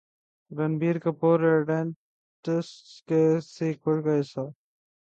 Ranbir Kapoor Idiots کے sequel کا حصہ